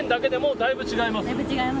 だいぶ違います。